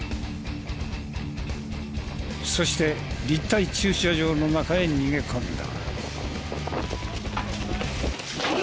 そして立体駐車場の中へ逃げ込んだ。